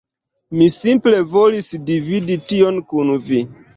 Mi simple volis dividi tion kun vi